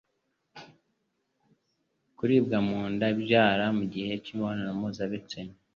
Kuribwa mu nda ibyara mu gihe cy'imibonano mpuzabitsina